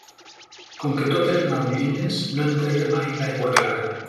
I com que tot eren aulines, no en treia mai l'aigua clara.